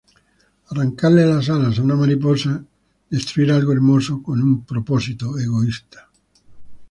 Arrancarle las alas a una mariposa, destruir algo hermoso con un propósito egoísta".